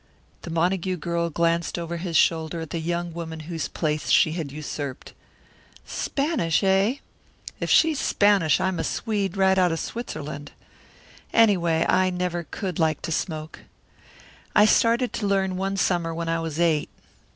The Montague girl glanced over his shoulder at the young woman whose place she had usurped. "Spanish, eh? If she's Spanish I'm a Swede right out of Switzerland. Any way, I never could like to smoke. I started to learn one summer when I was eight.